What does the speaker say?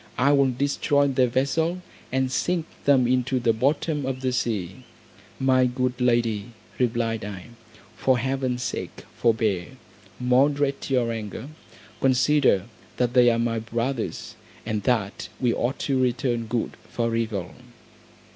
I will destroy their vessel, and sink them into the bottom of the sea." "My good lady," replied I, "for heaven's sake forbear; moderate your anger, consider that they are my brothers, and that we ought to return good for evil."